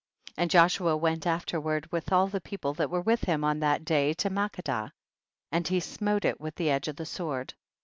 29. And Joshua went afterward with all the people that were with him on that day to Makkedah, and he smote it with the edge of the sword.